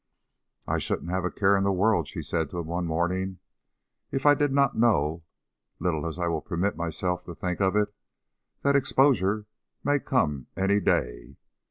"I shouldn't have a care in the world," she said to him one morning, "if I did not know, little as I will permit myself to think of it, that exposure may come any day.